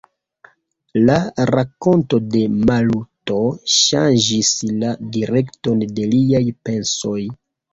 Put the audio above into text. La rakonto de Maluto ŝanĝis la direkton de liaj pensoj.